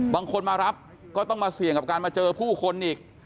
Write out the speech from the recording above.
บางคนมารับก็ต้องมาเสี่ยงกับการมาเจอผู้คนอีก